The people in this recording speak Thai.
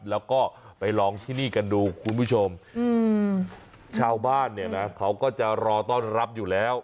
แล้วก็ไปลองที่นี่กันดูคุณผู้ชมชาวบ้านเนี่ยนะเขาก็จะรอต้อนรับอยู่แล้ว